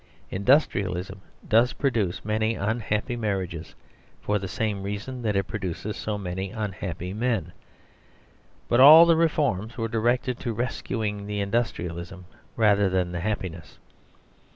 Industrialism does produce many unhappy marriages, for the same reason that it produces so many unhappy men. But all the reforms were directed to rescuing the industrialism rather than the happiness.